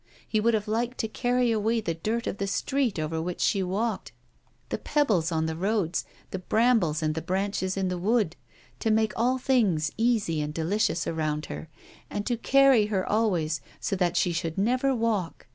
He would have liked to carry away the dirt of the street over which she walked, the pebbles on the roads, the brambles and the branches in the wood, to make all things easy and delicious around her, and to carry her always, so that she should never walk.